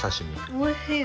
おいしい！